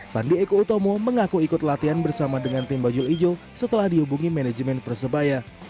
fandi eko utomo mengaku ikut latihan bersama dengan tim bajul ijo setelah dihubungi manajemen persebaya